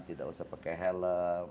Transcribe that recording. tidak usah pakai helm